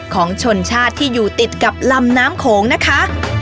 ของชนชาติที่อยู่ติดกับลำน้ำโขงนะคะ